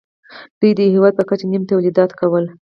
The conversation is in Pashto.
دوی د هېواد په کچه نیم تولیدات کول